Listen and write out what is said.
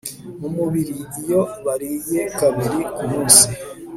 mu mubiri iyo bariye kabiri ku munsi